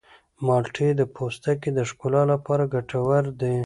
مالټې د پوستکي د ښکلا لپاره ګټورې دي.